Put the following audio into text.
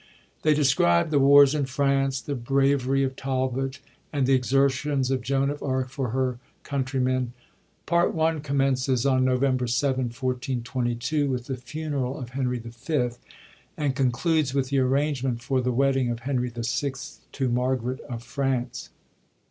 They describe the wars in France, the bravery of Talbot, and the exertions of Joan of Arc for her countrymen. Part I. commences on November 7, 1422, with the funeral of Henry V., and concludes with the arrangement for the wedding of Henry VI. to Margaret of France.